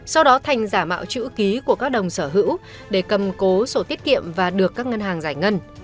sau đó thành giả mạo chữ ký của các đồng sở hữu để cầm cố sổ tiết kiệm và được các ngân hàng giải ngân